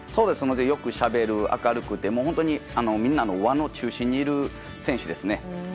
よくしゃべる、明るくて本当にみんなの輪の中心にいる選手ですね。